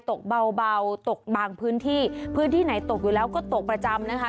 ตกเบาตกบางพื้นที่พื้นที่ไหนตกอยู่แล้วก็ตกประจำนะคะ